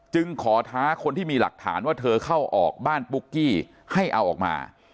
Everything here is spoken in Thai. ขอท้าคนที่มีหลักฐานว่าเธอเข้าออกบ้านปุ๊กกี้ให้เอาออกมา